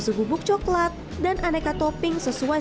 sebenarnya hanya menggunakan bahan yang sederhana